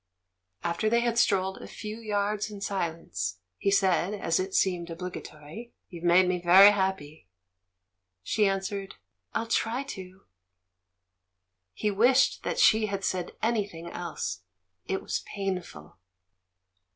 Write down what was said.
After they had strolled a few yards in silence. 248 THE MAN WHO UNDERSTOOD WOMEN he said, as it seemed obligatory, "You've made me very happy." She answered, "I'll tiy to." He wished that she had said anything else — it was painful.